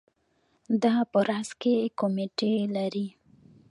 دا په راس کې کمیټې لري.